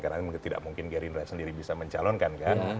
karena tidak mungkin gerindra sendiri bisa mencalonkan